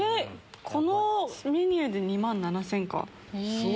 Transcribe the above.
このメニューで２万７８００円か。